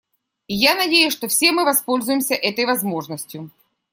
И я надеюсь, что все мы воспользуемся этой возможностью.